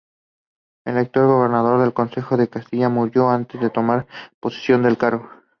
Electo gobernador del Consejo de Castilla, murió antes de tomar posesión del cargo.